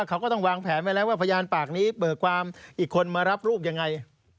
เรียกได้แล้วว่าพยานปากนี้เบิกวางอีกคนมารับรูปยังไง